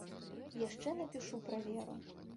Яшчэ напішу пра веру.